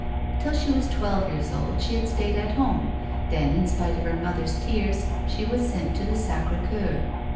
Till she was twelve years old she had stayed at home ; then, in spite of her mother's tears, she was sent to the Sacre Cocur.